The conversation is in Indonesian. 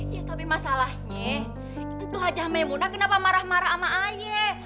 ya tapi masalahnya itu aja memunah kenapa marah marah sama ayah